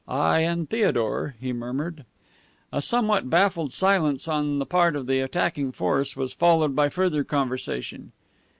"I and Theodore," he murmured. A somewhat baffled silence on the part of the attacking force was followed by further conversation.